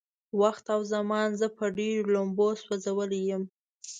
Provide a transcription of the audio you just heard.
وخت او زمان زه په ډېرو لمبو سوځولی يم.